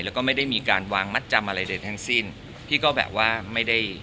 แล้วก็ไม่ได้มีการวางมัดจำอะไรใดทั้งสิ้นพี่ก็แบบว่าไม่ได้